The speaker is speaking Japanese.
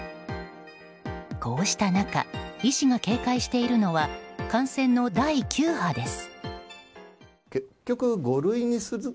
こうした中医師が警戒しているのは感染の第９波です。